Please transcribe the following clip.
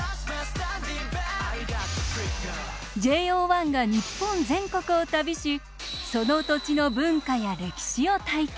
ＪＯ１が日本全国を旅しその土地の文化や歴史を体験。